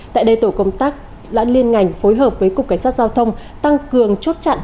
tại đây tổ công tác đã liên ngành phối hợp với cục cảnh sát giao thông tăng cường chốt chặn